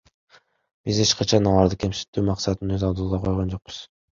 Биз эч качан аларды кемсинтүү максатын өз алдыбызга койгон жокпуз.